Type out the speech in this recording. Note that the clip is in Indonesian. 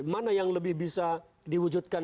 mana yang lebih bisa diwujudkan